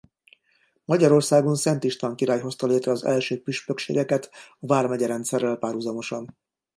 Magyarországon Szent István király hozta létre az első püspökségeket a vármegyerendszerrel párhuzamosan.